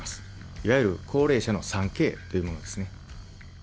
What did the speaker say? いわゆる、高齢者の３Ｋというものですね。